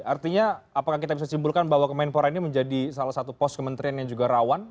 artinya apakah kita bisa simpulkan bahwa kemenpora ini menjadi salah satu pos kementerian yang juga rawan